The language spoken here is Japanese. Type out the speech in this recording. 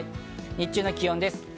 日中の気温です。